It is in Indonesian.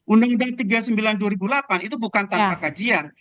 undang undang tiga puluh sembilan dua ribu delapan itu bukan tanpa kajian